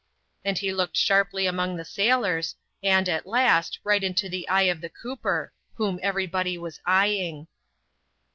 nd he looked sharply among the sailors, and, at last, right into le eye of the cooper, whom every body was eyeing.